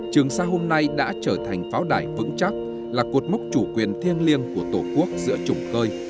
trường sa hôm nay đã trở thành pháo đài vững chắc là cuộc mốc chủ quyền thiêng liêng của tổ quốc giữa chủng cơi